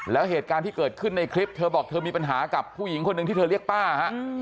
แล้วเหตุการณ์ที่เกิดขึ้นในคลิปเธอบอกเธอมีปัญหากับผู้หญิงคนหนึ่งที่เธอเรียกป้าฮะ